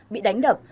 bị đánh đập